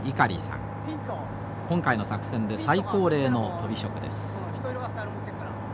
今回の作戦で最高齢のとび職です。